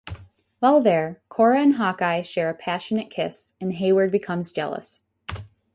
While there, Cora and Hawkeye share a passionate kiss, and Heyward becomes jealous.